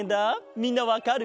みんなわかるかな？